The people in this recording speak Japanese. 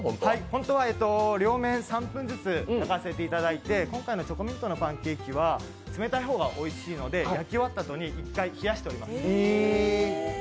本当は両面３分ずつ焼かせていただいて今回のチョコミントのパンケーキは冷たい方がおいしいので、焼き終わったあとに１回冷やしております。